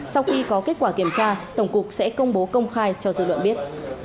sau khi có kết quả kiểm tra tổng cục sẽ công bố công khai cho dư luận biết